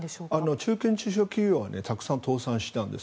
中堅中小企業がたくさん倒産したんです。